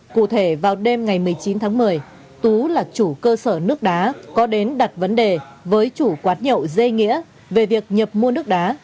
cụ thể vào đêm ngày một mươi chín tháng một mươi tú là chủ cơ sở nước đá có đến đặt vấn đề với chủ quán nhậu dê nghĩa về việc nhập mua nước đá